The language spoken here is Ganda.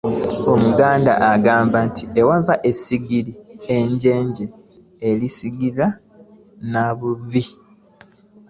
Omuganda agamba nti “Avaawo asigira ejjenje lisigira nabbubi.”